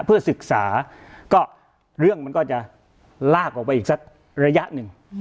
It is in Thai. เพื่อศึกษาก็เรื่องมันก็จะลากออกไปอีกสักระยะหนึ่ง